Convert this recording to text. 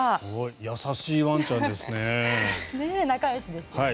優しいワンちゃんですね。